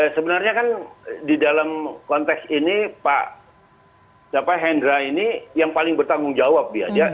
sebenarnya kan di dalam konteks ini pak hendra ini yang paling bertanggung jawab